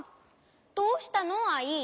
どうしたのアイ？